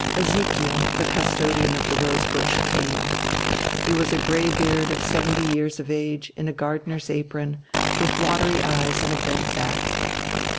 Ezekiel, the custodian of the rose bush, came. He was a greybeard of seventy years of age, in a gardener's apron, with watery eyes and a bent back.